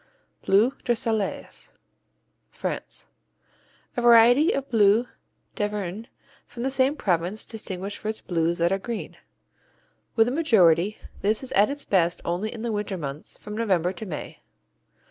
Bleu de Salers France A variety of Bleu d'Auvergne from the same province distinguished for its blues that are green. With the majority, this is at its best only in the winter months, from November to May.